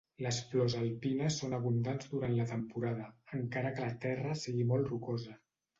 Les flors alpines són abundants durant la temporada, encara que la terra sigui molt rocosa.